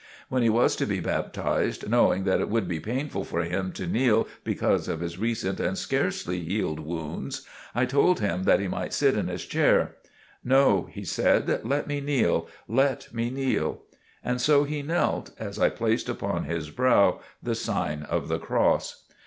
When he was to be baptized, knowing that it would be painful for him to kneel because of his recent and scarcely healed wounds, I told him that he might sit in his chair. "No," he said. "Let me kneel; let me kneel." And so he knelt, as I placed upon his brow the sign of the cross.